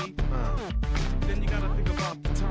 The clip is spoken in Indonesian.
kamu sudah kembali ke dunia